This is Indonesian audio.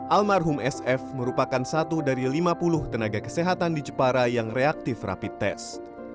almarhum sf merupakan satu dari lima puluh tenaga kesehatan di jepara yang reaktif rapid test